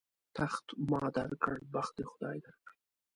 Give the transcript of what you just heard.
تخت ما در کړ، بخت دې خدای در کړي.